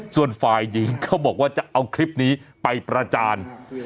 ส่วนไฟล์ยิงก็บอกว่าจะเอาคลิปนี้ไปประจาน